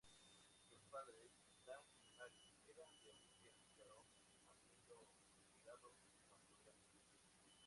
Sus padres, Dan y Mary, eran de origen húngaro, habiendo inmigrado cuando eran niños.